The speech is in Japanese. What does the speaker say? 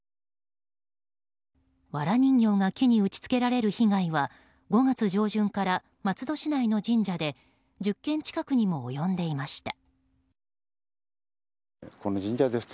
わら人形が木に打ち付けられる被害は５月上旬から松戸市内の神社で１０件近くにも及んでいました。